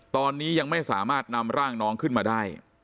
ตอนนี้ยังไม่สามารถนำร่างน้องขึ้นมาได้